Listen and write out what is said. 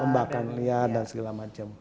tembakan liar dan segala macam